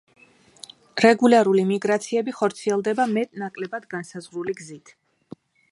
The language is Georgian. რეგულარული მიგრაციები ხორციელდება მეტ-ნაკლებად განსაზღვრული გზით.